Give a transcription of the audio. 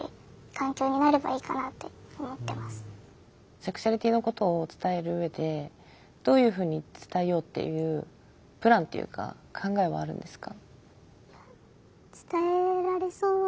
セクシュアリティーのことを伝える上でどういうふうに伝えようっていうプランっていうか考えはあるんですか？